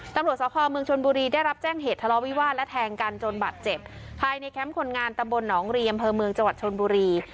ตำรวจสภเมืองชนบุรีได้รับแจ้งเหตุทะเลาวิวาสและแทงกันจนบาดเจ็บภายในแคมป์คนงานตำบลหนองรีอำเภอเมืองจังหวัดชนบุรี